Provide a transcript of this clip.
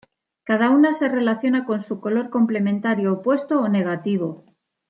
Cada una se relaciona con su color complementario opuesto o negativo.